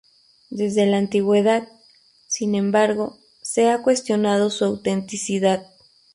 Desde la antigüedad, sin embargo, se ha cuestionado su autenticidad.